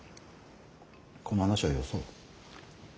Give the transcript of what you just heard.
この話はよそう。